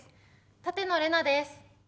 舘野伶奈です。